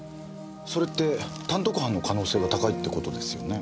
それって単独犯の可能性が高いって事ですよね？